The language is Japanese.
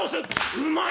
「うまい！